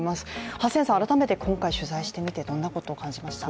ハセンさん、改めて今回取材してみてどんなことを感じましたか？